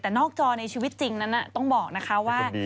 แต่นอกจอในชีวิตจริงนั้นต้องบอกนะคะว่า